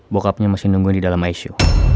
bokapnya masih nunggu di dalam icu